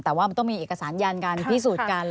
แต่ว่ามันต้องมีเอกสารยันการพิสูจน์กัน